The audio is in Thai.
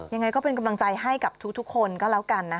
ยังไงก็เป็นกำลังใจให้กับทุกคนก็แล้วกันนะคะ